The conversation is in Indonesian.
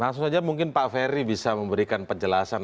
maksudnya mungkin pak ferry bisa memberikan penjelasan